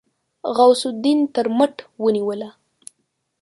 غوث الدين تر مټ ونيوله.